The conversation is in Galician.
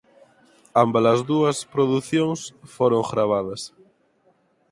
Ámbalas dúas producións foron gravadas.